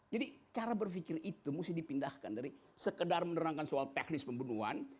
jadi cara berpikir itu mesti dipindahkan dari sekedar menerangkan soal teknis pembunuhan